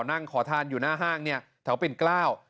นั่งขอทานอยู่หน้าห้างเนี่ยแถวปิ่นเกล้า